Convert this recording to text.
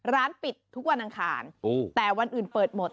ร้านปิดทุกวันอังคารแต่วันอื่นเปิดหมด